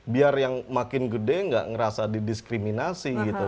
biar yang makin gede enggak ngerasa didiskriminasi gitu kan